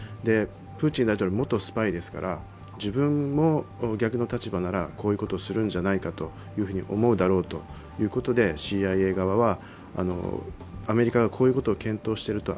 プーチン大統領は元スパイですから、自分も逆の立場ならこういうことをするんじゃないかということで、ＣＩＡ側はアメリカがこういうことを検討していると、